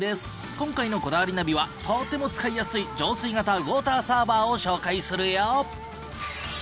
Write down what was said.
今回の『こだわりナビ』はとっても使いやすい浄水型ウォーターサーバーを紹介するよ。